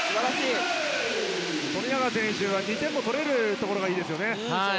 富永選手は２点を取れるところもいいですよね。